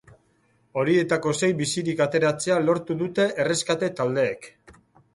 Horietako sei bizirik ateratzea lortu dute erreskate taldeek.